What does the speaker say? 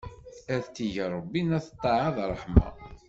Ad t-ig Ṛebbi n at ṭṭaɛa d ṛṛeḥma!